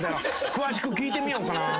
詳しく聞いてみようかな？